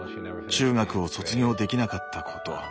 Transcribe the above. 中学を卒業できなかったこと。